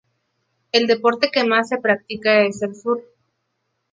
El deporte que más se practica es el surf.